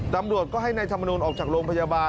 ตำรวจก็ให้นายธรรมนูลออกจากโรงพยาบาล